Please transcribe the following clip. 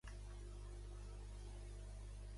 Això són altres calces.